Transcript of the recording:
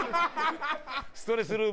ストレスルームを。